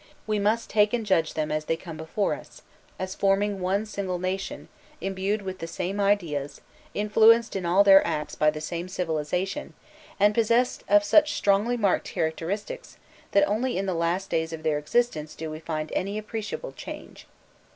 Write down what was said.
We must take and judge them as they come before us, as forming one single nation, imbued with the same ideas, influenced in all their acts by the same civilization, and possessed of such strongly marked characteristics that only in the last days of their existence do we find any appreciable change.